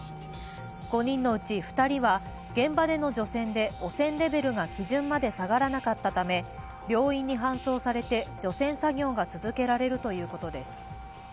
５人のうち２人は現場での除染で汚染レベルが基準まで下がらなかったため病院に搬送されて除染作業が続けられるということです。